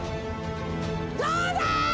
どうだ！